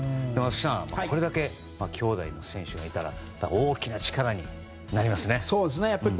松木さん、これだけきょうだいの選手がいたら大きな力になりますね。